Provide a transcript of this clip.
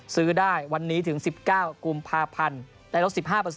ซื้อได้วันนี้ถึง๑๙กุมภาพันธ์ได้ลด๑๕